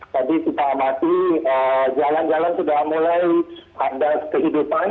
tadi kita amati jalan jalan sudah mulai ada kehidupan